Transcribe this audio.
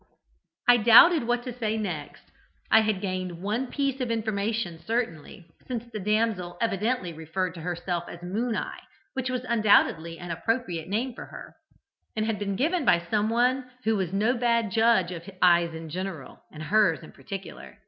"I doubted what to say next. I had gained one piece of information certainly, since the damsel evidently referred to herself as 'Moon eye,' which was undoubtedly an appropriate name for her, and had been given by someone who was no bad judge of eyes in general, and hers in particular.